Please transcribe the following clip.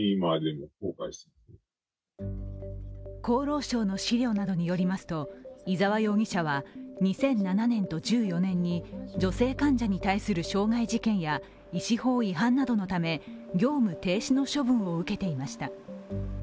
厚労省の資料などによりますと伊沢容疑者は２００７年と１４年に女性患者に対する傷害事件や医師法違反などのため、業務停止の処分を受けていました。